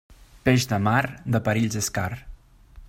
Peix de mar, de perills és car.